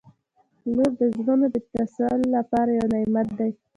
• لور د زړونو د تسل لپاره یو نعمت دی.